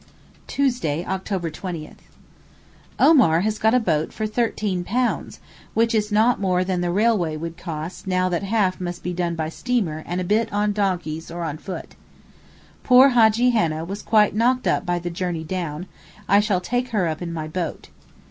Tuesday, October 20. Omar has got a boat for £13, which is not more than the railway would cost now that half must be done by steamer and a bit on donkeys or on foot. Poor Hajjee Hannah was quite knocked up by the journey down; I shall take her up in my boat.